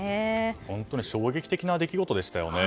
本当に衝撃的な出来事でしたよね。